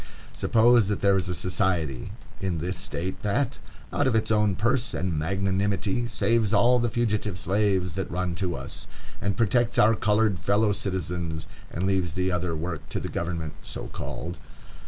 Suppose that there is a society in this State that out of its own purse and magnanimity saves all the fugitive slaves that run to us, and protects our colored fellow citizens, and leaves the other work to the government, so called.